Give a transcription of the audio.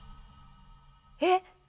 えっ？